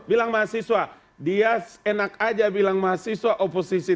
bilang mahasiswa dia enak aja bilang mahasiswa oposisi